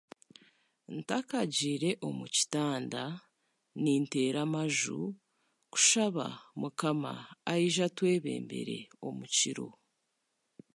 Ntakagiire omu kitanda ninteera amaju kushaba mukama aije atwebembere omu kiro